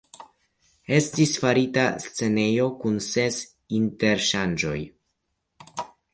Estis farita scenejo kun ses interŝanĝoj.